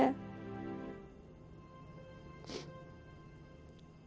dimanapun mereka berada